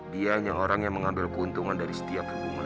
dia hanya orang yang mengambil keuntungan dari setiap hubungan